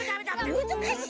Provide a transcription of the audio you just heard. むずかしい！